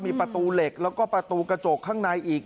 มีประตูเหล็กแล้วก็ประตูกระจกข้างในอีก